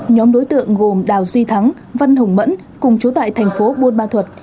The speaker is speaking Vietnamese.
nhóm đối tượng gồm đào duy thắng văn hùng mẫn cùng chú tại thành phố buôn ma thuật